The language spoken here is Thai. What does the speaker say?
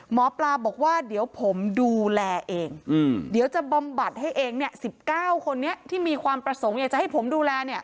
หมอปลาบอกว่าเดี๋ยวผมดูแลเองเดี๋ยวจะบำบัดให้เอง๑๙คนนี้ที่มีความประสงค์อยากจะให้ผมดูแล